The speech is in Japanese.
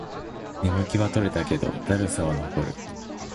眠気は取れたけど、だるさは残る